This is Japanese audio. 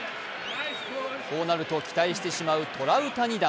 こうなると期待してしまうトラウタニ弾。